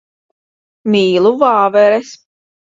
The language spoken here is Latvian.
Mīlu vāveres.